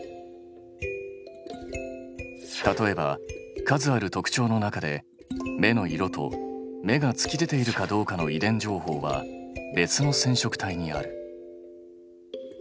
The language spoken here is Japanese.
例えば数ある特徴の中で目の色と目が突き出ているかどうかの遺伝情報は別の染色体にある。